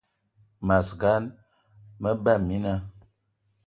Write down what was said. Mas gan, me ba mina.